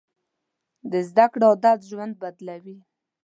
د زده کړې عادت ژوند بدلوي.